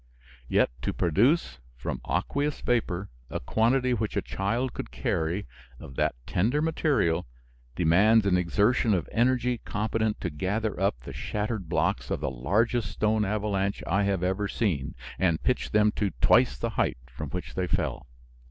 Yet to produce from aqueous vapor a quantity which a child could carry of that tender material demands an exertion of energy competent to gather up the shattered blocks of the largest stone avalanche I have ever seen and pitch them to twice the height from which they fell."